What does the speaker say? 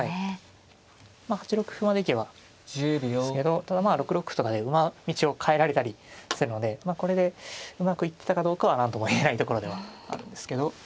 まあ８六歩まで行けばですけどただまあ６六歩とかで馬道を変えられたりするのでこれでうまくいってたかどうかは何とも言えないところではあるんですけど。